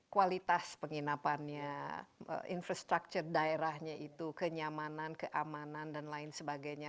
kualitas penginapannya infrastruktur daerahnya itu kenyamanan keamanan dan lain sebagainya